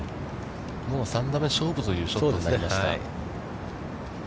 もう３打目勝負というショットになりました。